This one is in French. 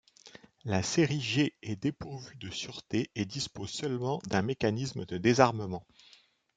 La série G est dépourvue de sûreté et dispose seulement d'un mécanisme de désarmement.